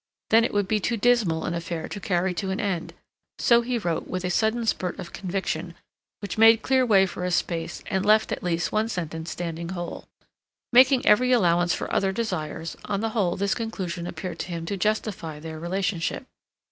then it would be too dismal an affair to carry to an end; so he wrote with a sudden spurt of conviction which made clear way for a space and left at least one sentence standing whole. Making every allowance for other desires, on the whole this conclusion appeared to him to justify their relationship.